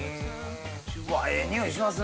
うわええ匂いしますね